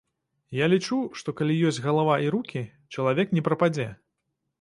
Я лічу, што калі ёсць галава і рукі, чалавек не прападзе.